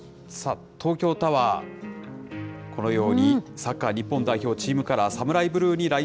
東京タワー、このように、サッカー日本代表チームカラー、サムライ